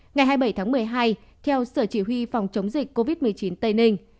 ngày hai mươi bảy tháng một mươi hai theo sở chỉ huy phòng chống dịch covid một mươi chín tây ninh